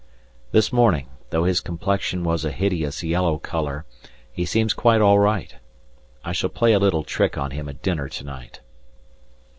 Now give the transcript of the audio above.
This morning, though his complexion was a hideous yellow colour, he seems quite all right. I shall play a little trick on him at dinner to night.